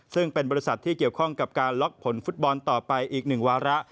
ซึ่งเป็นบริษัทที่เกี่ยวข้องกับการล็อกผลฟุตบอลต่อไปอีก๑วาระ